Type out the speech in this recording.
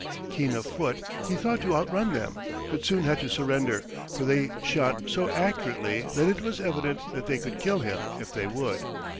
Keen of foot, he thought to outrun them, but soon had to surrender, for they shot so accurately that it was evident that they could kill him if they would.